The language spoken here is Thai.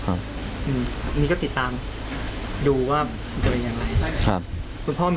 อันนี้ก็ติดตามดูว่ามันจะเป็นอย่างไร